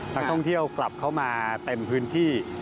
นักท่องเที่ยวกลับเข้ามาเต็มพื้นที่